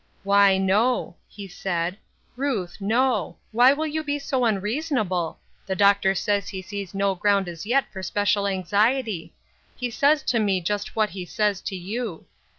" Why, no," he said, " Ruth, no ; why will you be 80 unreasonable? The Doctor says he sees no ground as yet for special anxiety. He says to me just what he says to you.